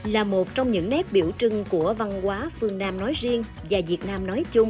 là một trong những nét biểu trưng của văn hóa phương nam nói riêng và việt nam nói chung